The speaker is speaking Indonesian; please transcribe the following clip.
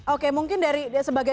oke mungkin dari sebagai warga penduduk